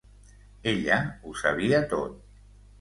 Ella ho sabia tot.